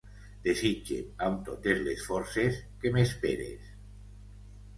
Desitge amb totes les forces que m'esperes.